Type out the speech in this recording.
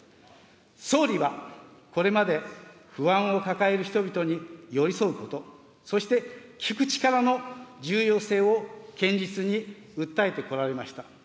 総理はこれまで、不安を抱える人々に寄り添うこと、そして聞く力の重要性を堅実に訴えてこられました。